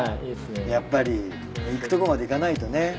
やっぱりいくとこまでいかないとね。